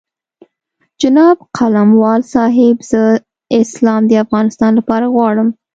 جناب قلموال صاحب زه اسلام د افغانستان لپاره غواړم.